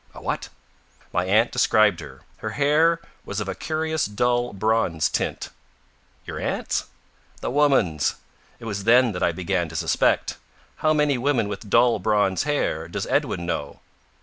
"A what?" "My aunt described her. Her hair was of a curious dull bronze tint." "Your aunt's?" "The woman's. It was then that I began to suspect. How many women with dull bronze hair does Edwin know?"